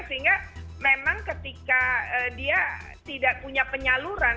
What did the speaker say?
sehingga memang ketika dia tidak punya penyaluran